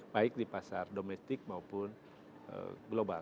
baik di pasar domestik maupun global